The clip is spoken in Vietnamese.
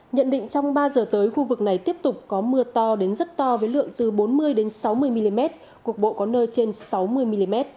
nhận định trong ba giờ tới khu vực này tiếp tục có mưa to đến rất to với lượng từ bốn mươi sáu mươi mm cục bộ có nơi trên sáu mươi mm